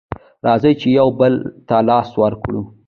راځئ چې يو بل ته لاس ورکړو